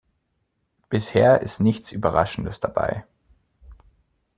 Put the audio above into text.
Bisher ist nichts Überraschendes dabei.